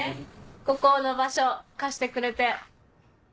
ここの場所貸してくれて。